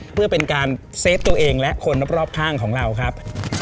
เพื่อเป็นการเซฟตัวเองและคนรอบข้างของเราครับ